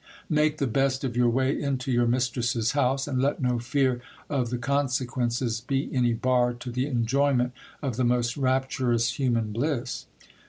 Make the best of your way into your mistress's house, and let no fear of the consequences be any bar to the enjoyment of the most rapturous human bliss.